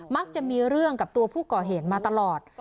มักจะมีเรื่องกับตัวผู้ก่อเหตุมาตลอด